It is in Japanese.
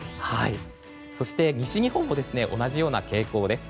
そして、西日本も同じような傾向です。